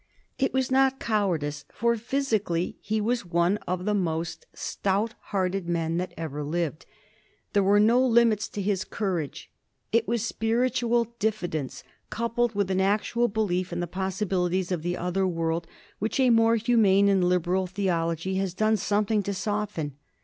It was not cowardice, for physically he was one of the most stout hearted men that ever lived. There were no limits to his courage. It was spiritual diffidence, coupled with an actual belief in the possibilities of the other world, which a more humane and liberal theology has done something to soften.